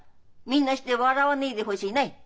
みんなして笑わねえでほしいない。